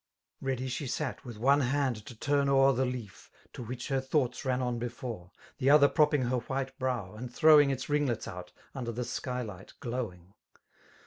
••• Ready slie sat with one hand to turn o'er The leaf, to which her thoughts ran on before. The other propping her white brow, and throwing Its ringlets out, under the skylight glowing.